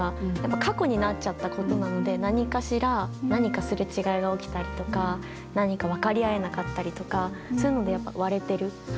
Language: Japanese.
過去になっちゃったことなので何かしら何かすれ違いが起きたりとか何か分かり合えなかったりとかそういうので割れてる。